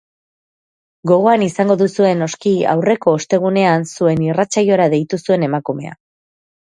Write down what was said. Gogoan izango duzue, noski, aurreko ostegunean zuen irratsaiora deitu zuen emakumea.